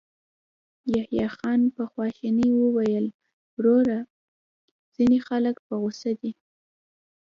يحيی خان په خواشينۍ وويل: وروره، ځينې خلک په غوسه دي.